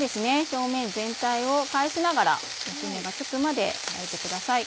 表面全体を返しながら焼き目がつくまで焼いてください。